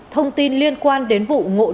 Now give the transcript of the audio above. thông tin liên quan đến vụ ngộ đồn